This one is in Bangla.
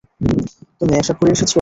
তুমি নেশা করে এসেছো?